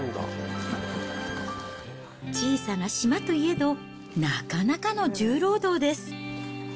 小さな島といえど、なかなかの重労働です。